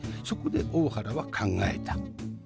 そこで大原は考えた。